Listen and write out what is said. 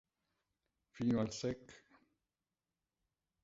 Fino al sec.